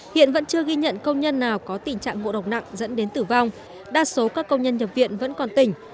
hiện vẫn chưa ghi nhận công nhân nào có tình trạng ngộ độc nặng dẫn đến tử vong đa số các công nhân nhập viện vẫn còn tỉnh